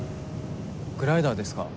グライダーですか？